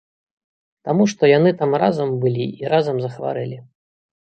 Таму што яны там разам былі і разам захварэлі.